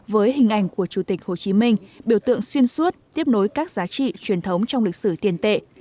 với hình ảnh của chủ tịch hồ chí minh biểu tượng xuyên suốt tiếp nối các giá trị truyền thống trong lịch sử tiền tệ